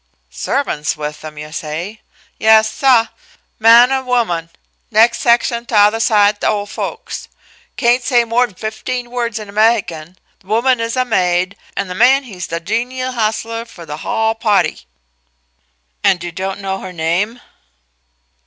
"Servants with them, you say?" "Yas, suh; man an' woman, nex' section t'other side the ole folks. Cain't say mor'n fifteen words in Amehican. Th' woman is huh maid, an' the man he's th' genial hustler fer th' hull pahty." "And you don't know her name?"